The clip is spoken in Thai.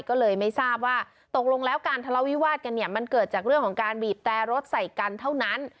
ก็เลยไม่ทราบว่าตกลงแล้วการทะเลาวิวาสกันเนี่ยมันเกิดจากเรื่องของการบีบแต่รถใส่กันเท่านั้น